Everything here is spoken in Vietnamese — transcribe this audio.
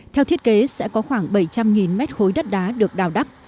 theo thiết kế sẽ có khoảng bảy trăm linh m ba đất đá được đào đắp